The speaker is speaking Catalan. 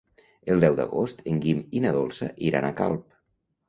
El deu d'agost en Guim i na Dolça iran a Calp.